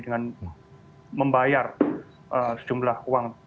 dengan membayar sejumlah uang